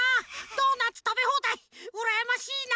ドーナツたべほうだいうらやましいな！